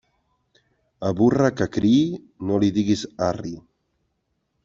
A burra que criï, no li diguis arri.